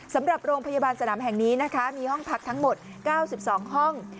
สำหรับโรงพยาบาลสนามแห่งนี้นะคะมีห้องพักทั้งหมด๙๒ห้อง